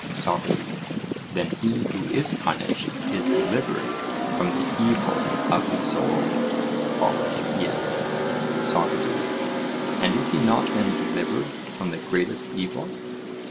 SOCRATES: Then he who is punished is delivered from the evil of his soul? POLUS: Yes. SOCRATES: And is he not then delivered from the greatest evil?